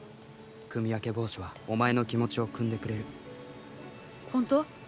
組分け帽子はお前の気持ちをくんでくれる本当？